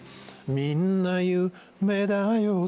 みんな夢だよ